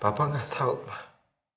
papa gak tau pak